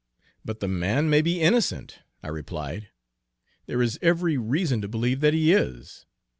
'But the man may be innocent,' I replied; 'there is every reason to believe that he is.'